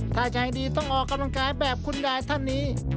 ถ้าใจดีต้องออกกำลังกายแบบคุณยายท่านนี้